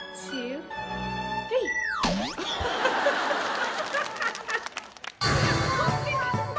ハハハハ！